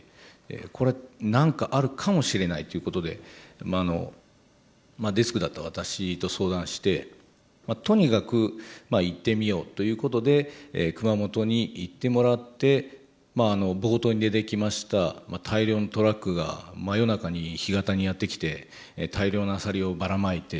これ何かあるかもしれないということでデスクだった私と相談してとにかく行ってみようということで熊本に行ってもらって冒頭に出てきました大量のトラックが真夜中に干潟にやって来て大量のアサリをばらまいて。